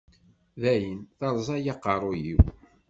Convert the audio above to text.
Dayen, terẓa-yi aqerru-iw.